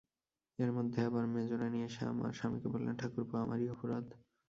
এর মধ্যে আবার মেজোরানী এসে আমার স্বামীকে বললেন, ঠাকুরপো, আমারই অপরাধ।